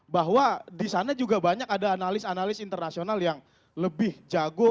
bahwa di sana juga banyak ada analis analis internasional yang lebih jago